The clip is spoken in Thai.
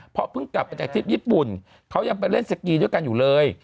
เพราะเพิ่งกลับมาจากทริปญี่ปุ่นเขายังไปเล่นสกีด้วยกันอยู่เลย